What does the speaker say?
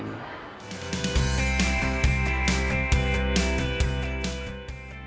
kita bisa nge grab market market yang di luar jakarta untuk saat ini